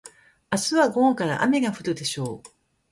明日は午後から雨が降るでしょう。